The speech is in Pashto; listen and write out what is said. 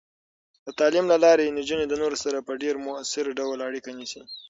د تعلیم له لارې، نجونې د نورو سره په ډیر مؤثر ډول اړیکه نیسي.